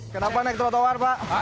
kenapa naik trotoar pak